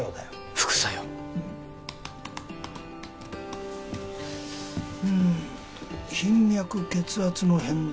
副作用うんうん頻脈血圧の変動